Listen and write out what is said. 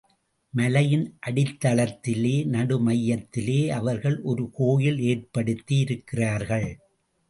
மலையின் அடித்தளத்திலே, நடு மையத்திலே அவர்கள் ஒரு கோயில் ஏற்படுத்தி யிருக்கிறார்கள்.